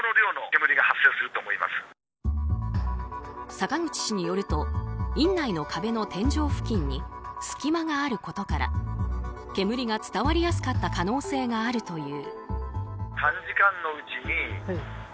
坂口氏によると院内の壁の天井付近に隙間があることから煙が伝わりやすかった可能性があるという。